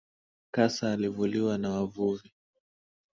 Kasa alivuliwa na wavuvi.